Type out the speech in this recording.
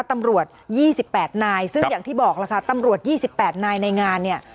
ตำรวจ๒๘นายซึ่งอย่างที่บอกล่ะค่ะตำรวจ๒๘นายในงานเนี่ย